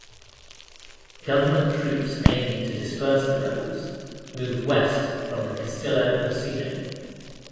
Government troops aiming to disperse the rebels moved west from the Castello Ursino.